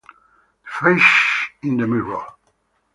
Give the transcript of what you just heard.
The Face in the Mirror